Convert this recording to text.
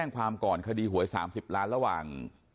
ความก่อนคดีหวย๓๐ล้านระหว่าง